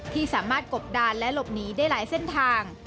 ที่สามารถกบดานและหลบหนีได้หลายเส้นทาง